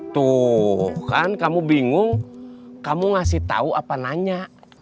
tuh kan kamu bingung kamu ngasih tahu apa nanya